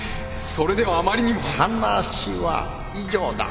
それではあまりにも。話は以上だ。